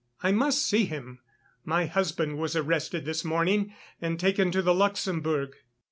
"I must see him. My husband was arrested this morning and taken to the Luxembourg."